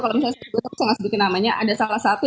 kalau saya tidak bisa sebutkan namanya ada salah satu